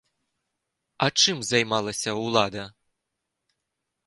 А чым займалася ўлада?